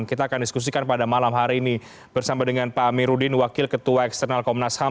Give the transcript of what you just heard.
kita akan diskusikan pada malam hari ini bersama dengan pak amiruddin wakil ketua eksternal komnas ham